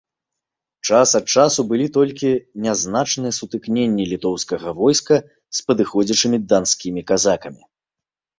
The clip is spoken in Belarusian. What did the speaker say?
Час ад часу былі толькі нязначныя сутыкненні літоўскага войска з падыходзячымі данскімі казакамі.